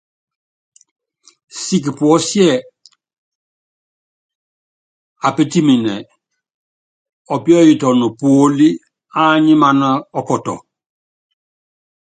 Siki puɔ́síɛ apítiminɛ ɔpíɔ́yitɔnɔ puólí ányímaná ɔkɔtɔ.